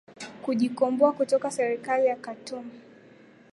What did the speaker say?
kujikomboa kutoka serikali ya khartum